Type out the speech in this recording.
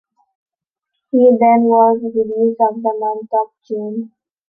He then was released in the month of June.